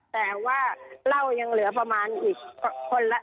แต่ว่าเหล้ายังเหลือประมาณอีกคนละ